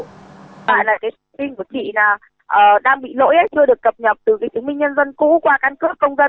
thông tin của chị đang bị lỗi chưa được cập nhật từ tỉnh minh nhân dân cũ qua căn cước công dân